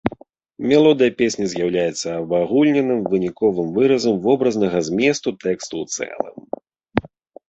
Мелодыя песні з'яўляецца абагульненым, выніковым выразам вобразнага зместу тэксту ў цэлым.